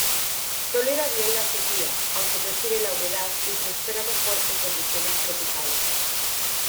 Tolera bien la sequía, aunque prefiere la humedad y prospera mejor en condiciones tropicales.